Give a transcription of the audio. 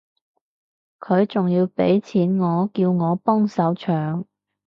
佢仲要畀錢我叫我幫手搶